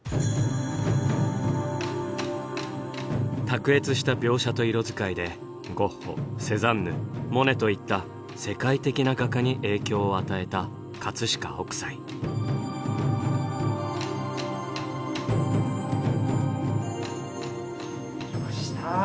卓越した描写と色使いでゴッホセザンヌモネといった世界的な画家に影響を与えた飾北斎。来ました。